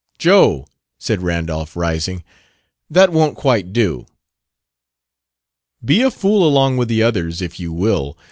"Joe!" said Randolph, rising. "That won't quite do!" "Be a fool along with the others, if you will!"